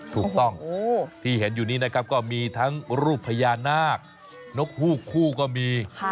ถูกต้องที่เห็นอยู่นี้นะครับก็มีทั้งรูปพญานาคนกฮูกคู่ก็มี